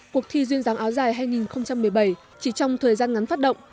cuộc thi duyên dáng áo dài hai nghìn một mươi bảy chỉ trong thời gian ngắn phát động